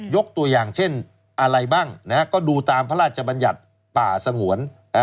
ยกตัวอย่างเช่นอะไรบ้างก็ดูตามพระราชบัญญัติป่าสงวน